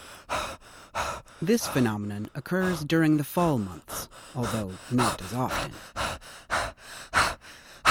This phenomenon occurs during the fall months, although not as often.